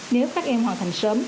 nếu các em hoàn thành sớm